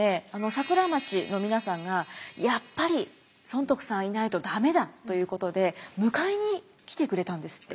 桜町の皆さんがやっぱり尊徳さんいないと駄目だということで迎えに来てくれたんですって。